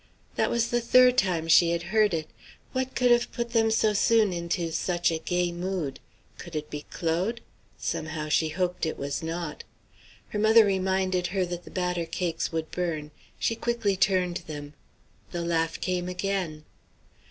That was the third time she had heard it. What could have put them so soon into such gay mood? Could it be Claude? Somehow she hoped it was not. Her mother reminded her that the batter cakes would burn. She quickly turned them. The laugh came again.